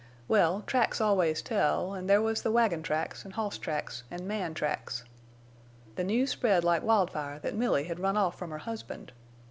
Well, tracks always tell, an' there was the wagon tracks an' hoss tracks an' man tracks. The news spread like wildfire that Milly had run off from her husband.